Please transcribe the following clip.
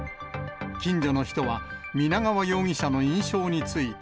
近所の人は、皆川容疑者の印象について。